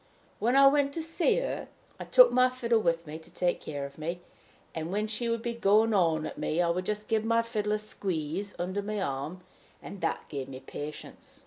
When I went to see her, I took my fiddle with me to take care of me; and, when she would be going on at me, I would just give my fiddle a squeeze under my arm, and that gave me patience."